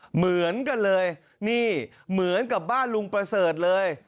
เหมือนกันเลยนี่เหมือนกับบ้านลุงประเสริฐเลย